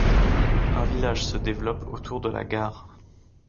Un village se développe autour de la gare.